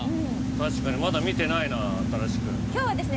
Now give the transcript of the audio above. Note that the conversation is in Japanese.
確かにまだ見てないなあ今日はですね